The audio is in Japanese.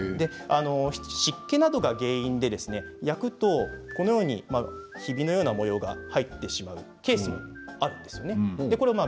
湿気などが原因で、焼くとひびのような模様が入ってしまうケースもあるんですね。